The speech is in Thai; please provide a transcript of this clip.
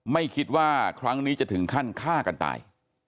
ไม่คิดว่าครั้งนี้จะถึงขั้นฆ่ากันตาย